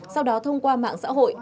sau đó thông qua mạng xã hội